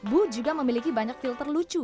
bu juga memiliki banyak filter lucu